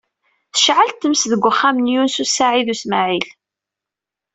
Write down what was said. Tecɛel tmes deg uxxam n Yunes u Saɛid u Smaɛil.